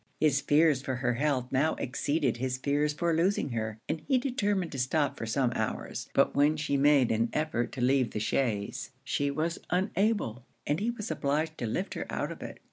His fears for her health now exceeded his fears for losing her, and he determined to stop for some hours; but when she made an effort to leave the chaise she was unable, and he was obliged to lift her out of it.